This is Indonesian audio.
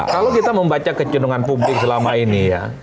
kalau kita membaca kecendungan publik selama ini ya